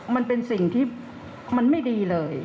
มันเป็นสิ่งที่มันไม่ดีเลย